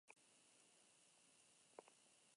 Hostoak, zurtoinak, fruituak zein haziak erasan ditzake.